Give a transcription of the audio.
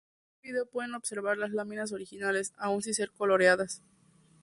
En tal vídeo pueden observarse las láminas originales, aún sin ser coloreadas.